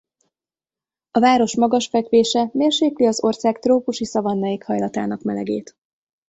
A város magas fekvése mérsékli az ország trópusi szavanna éghajlatának melegét.